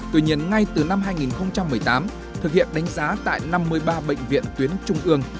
tuy nhiên ngay từ năm hai nghìn một mươi tám thực hiện đánh giá tại năm mươi ba bệnh viện tuyến trung ương